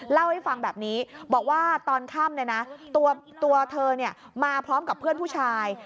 เล่าให้ฟังแบบนี้บอกว่าตอนค่ำตัวเธอมาพร้อมกับเพื่อนผู้ชาย